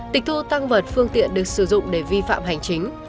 tịch thu tăng vật phương tiện được sử dụng để vi phạm hành chính